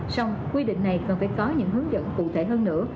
xong quy định này cần phải có những hướng dẫn cụ thể hơn nữa